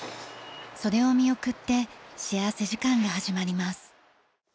それを見送って幸福時間が始まります。